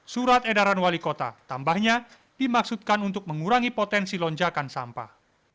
surat edaran wali kota tambahnya dimaksudkan untuk mengurangi potensi lonjakan sampah